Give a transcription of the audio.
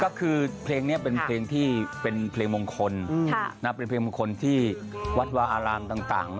ก็คือเพลงนี้เป็นเพลงที่เป็นเพลงมงคลเป็นเพลงมงคลที่วัดวาอารามต่าง